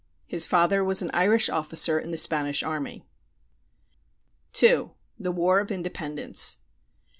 His father was an Irish officer in the Spanish army. II. THE WAR OF INDEPENDENCE.